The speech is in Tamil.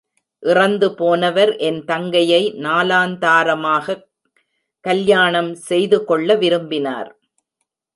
இறந்து போனவர் என் தங்கையை நாலாந்தாரமாகக் கல்யாணம் செய்துகொள்ள விரும்பினர்.